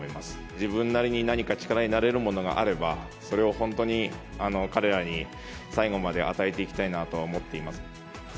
自分なりに何か力になれるものがあれば、それを本当に彼らに最後まで与えていきたいなとは思っています。